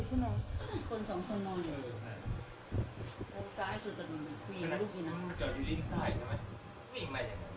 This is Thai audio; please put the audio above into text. เออมีคนลงอีกซักหน่อย